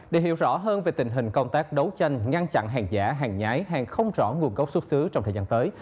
để hiểu rõ hơn về tình hình công tác đấu tranh ngăn chặn hàng giả hàng nhái hàng không rõ nguồn gốc xuất xứ trong thời gian tới